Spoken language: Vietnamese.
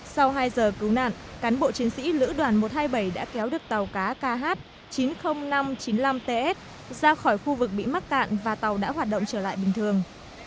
sau hai giờ cứu nạn cán bộ chiến sĩ lữ đoàn một trăm hai mươi bảy đã kéo được tàu cá kh chín mươi nghìn năm trăm chín mươi năm ts ra khỏi khu vực bị mắc cạn và tàu đã hoạt động trở lại bình thường